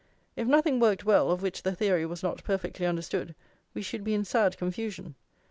If nothing worked well of which the theory was not perfectly understood, we should be in sad confusion.